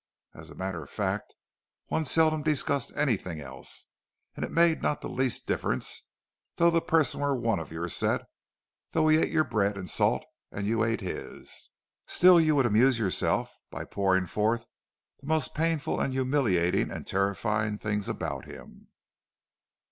As a matter of fact, one seldom discussed anything else; and it made not the least difference, though the person were one of your set,—though he ate your bread and salt, and you ate his,—still you would amuse yourself by pouring forth the most painful and humiliating and terrifying things about him.